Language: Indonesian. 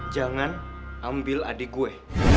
jangan ambil adik gue